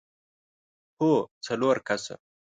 هو، څلور کسه!